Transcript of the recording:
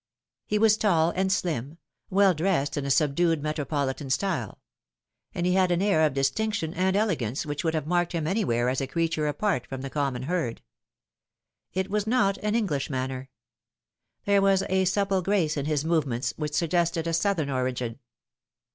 86 The Fatal Three. He was tall and slim, well dressed in a subdued metropolitan style ; and he had an air of distinction and elegance which would have marked him anywhere as a creature apart from the common herd. It was not an English manner. There was a supple grace in his movements which suggested a Southern origin.